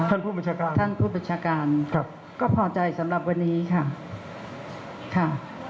ท่านผู้บัญชาการท่านผู้บัญชาการครับก็พอใจสำหรับวันนี้ค่ะค่ะ